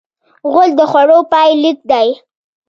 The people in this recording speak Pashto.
غول د خوړو پای لیک دی.